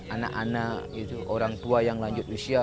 anak anak orang tua yang lanjut usia